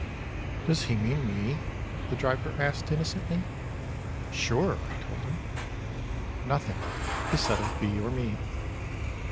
"Does he mean me?" the driver asked innocently. "Sure," I told him. Nothing is said of B. or me.